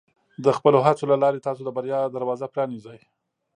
د خپلو هڅو له لارې، تاسو د بریا دروازه پرانیزئ.